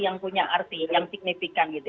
yang punya arti yang signifikan gitu